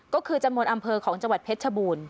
ก็คือจำนวนอำเภอของจังหวัดเพชรชบูรณ์